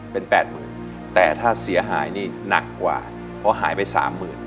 เป็นแปดหมื่นแต่ถ้าเสียหายนี่หนักกว่าเพราะหายไปสามหมื่น